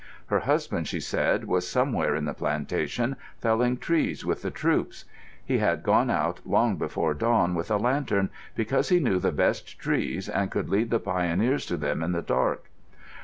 Her husband (she said) was somewhere in the plantation, felling trees with the troops. He had gone out long before dawn with a lantern, because he knew the best trees and could lead the pioneers to them in the dark.